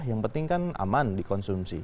yang penting kan aman dikonsumsi